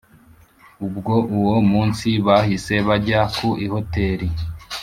ubwo uwo munsi bahise bajya ku ihoteli